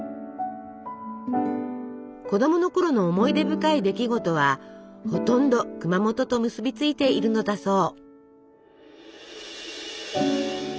子供のころの思い出深い出来事はほとんど熊本と結びついているのだそう。